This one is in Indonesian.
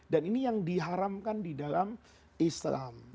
dan ini yang diharamkan di dalam islam